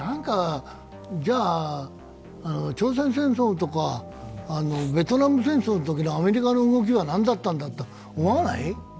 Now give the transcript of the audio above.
じゃ朝鮮戦争とか、ベトナム戦争のときのアメリカの動きは何だったんだと思わない？